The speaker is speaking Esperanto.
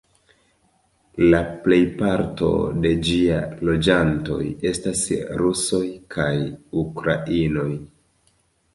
La plejparto de ĝiaj loĝantoj estas rusoj kaj ukrainoj.